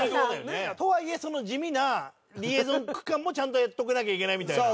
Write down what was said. とはいえその地味なリエゾン区間もちゃんとやっとかなきゃいけないみたいな。